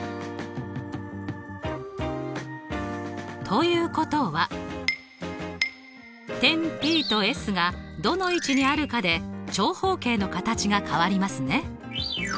ということは点ＰとＳがどの位置にあるかで長方形の形が変わりますね。